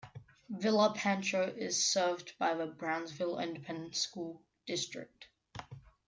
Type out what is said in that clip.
Villa Pancho is served by the Brownsville Independent School District.